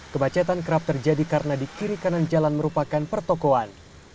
kemacetan kerap terjadi karena di kiri kanan jalan merupakan pertokoan